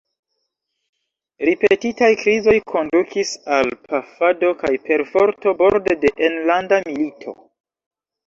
Ripetitaj krizoj kondukis al pafado kaj perforto, borde de enlanda milito.